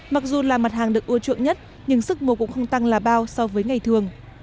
mặc dù là mặt hàng được ưa chuộng nhất nhưng sức mua cũng không tăng là bao so với ngày thường